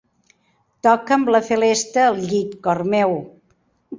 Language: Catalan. Toca'm la celesta al llit, cor meu.